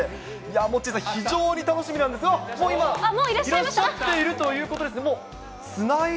モッチーさん、非常に楽しみなんですが、もう今いらっしゃっているということですね。